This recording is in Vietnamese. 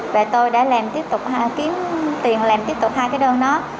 và tôi đã kiếm tiền làm tiếp tục hai cái đơn đó